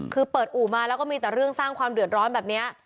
คือเปิดอู่มาแล้วก็มีแต่เรื่องสร้างความเดือดร้อนแบบนี้